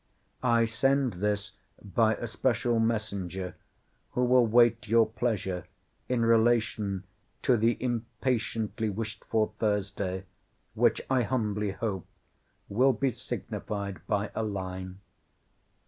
I send this by a special messenger, who will wait your pleasure in relation to the impatiently wished for Thursday: which I humbly hope will be signified by a line.